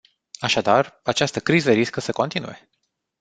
Așadar, această criză riscă să continue.